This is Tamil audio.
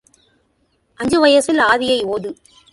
அஞ்சு வயசில் ஆதியை ஓது.